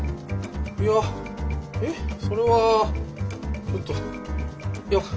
いやえっそれはちょっといや